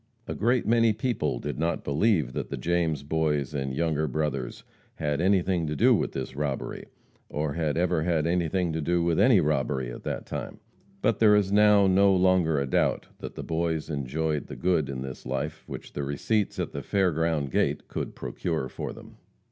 A great many people did not believe that the James Boys and Younger Brothers had anything to do with this robbery, or had ever had anything to do with any robbery at that time. But there is now no longer a doubt that the Boys enjoyed the good in this life which the receipts at the fair ground gate could procure for them.